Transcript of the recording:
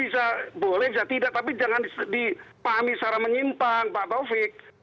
bisa boleh bisa tidak tapi jangan dipahami secara menyimpang pak taufik